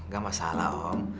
gak masalah om